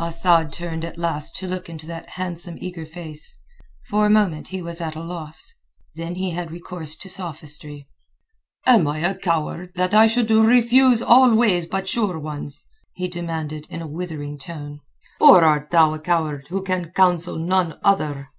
Asad turned at last to look into that handsome eager face. For a moment he was at a loss; then he had recourse to sophistry. "Am I a coward that I should refuse all ways but sure ones?" he demanded in a withering tone. "Or art thou a coward who can counsel none other?"